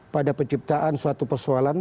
pada penciptaan suatu persoalan